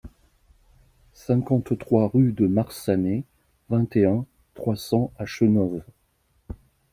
cinquante-trois rue de Marsannay, vingt et un, trois cents à Chenôve